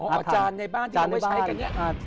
อาจารย์ในบ้านที่เราไว้ใช้กันเนี่ย